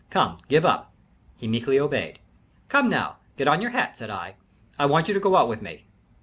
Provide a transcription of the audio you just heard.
Come, give up." He meekly obeyed. "Come now, get on your hat," said I. "I want you to go out with me."